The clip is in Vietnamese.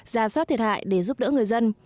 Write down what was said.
ra soát thiệt hại để giúp đỡ người dân